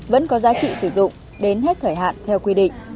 vẫn có giá trị sử dụng đến hết thời hạn theo quy định